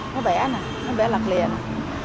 nó vẽ nè nó vẽ lật lìa nè